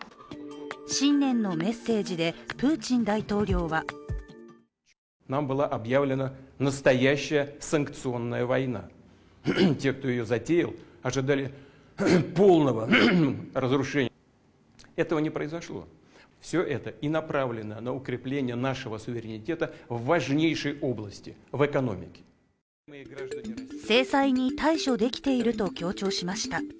新年のメッセージでプーチン大統領は制裁に対処できていると強調しました。